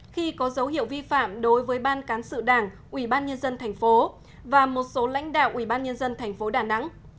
khi có dấu hiệu vi phạm đối với ban cán sự đảng ủy ban nhân dân thành phố và một số lãnh đạo ủy ban nhân dân thành phố đà nẵng